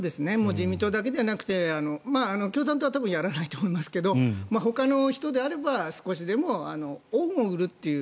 自民党だけじゃなくて共産党は多分やらないと思いますが他の人であれば少しでも恩を売るという。